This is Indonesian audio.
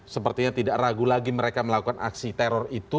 sepertinya tidak ragu lagi mereka melakukan aksi teror itu